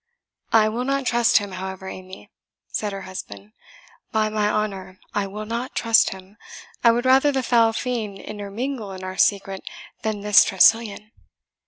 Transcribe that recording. "I will not trust him, however, Amy," said her husband "by my honour, I will not trust him, I would rather the foul fiend intermingle in our secret than this Tressilian!"